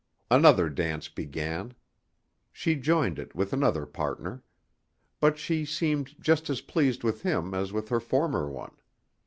Another dance began. She joined it with another partner. But she seemed just as pleased with him as with her former one.